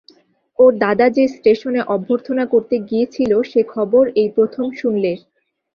ওর দাদা যে স্টেশনে অভ্যর্থনা করতে গিয়েছিল সে খবর এই প্রথম শুনলে।